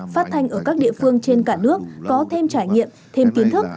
phát thanh ở các địa phương trên cả nước có thêm trải nghiệm thêm kiến thức